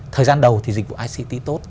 thời gian đầu thì dịch vụ ict tốt